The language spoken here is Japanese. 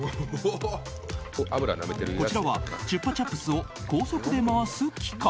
こちらはチュッパチャプスを高速で回す機械。